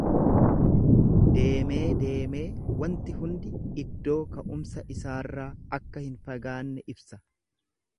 Deemee deemee wanti hundi iddoo ka'umsa isaarraa akka hin fagaanne ibsa.